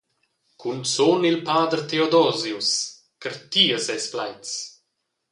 Cunzun il pader Theodosius, carti a ses plaids.